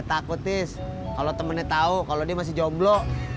takutis kalau temennya tahu kalau dia masih jomblo